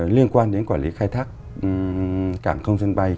liên quan đến quản lý khai thác cảng công sân bay